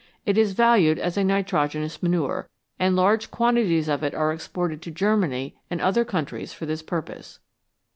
It is valued as a nitrogenous manure, and large quantities of it are exported to Germany and other countries for this purpose.